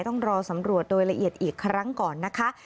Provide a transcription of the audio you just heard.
ต้องรอสำรวจโดยละเอียดอีกครั้งก่อนนะคะ